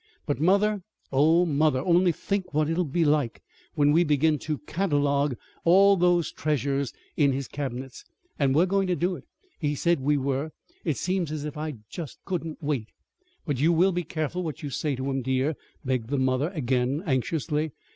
But, mother, oh, mother, only think what it'll be when we begin to catalogue all those treasures in his cabinets. And we're going to do it. He said we were. It seems as if I just couldn't wait!" "But you will be careful what you say to him, dear," begged the mother again, anxiously.